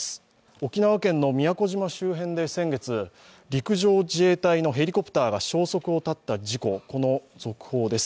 沖縄県の宮古島周辺で先月、陸上自衛隊のヘリコプターが消息を絶った事故、この続報です。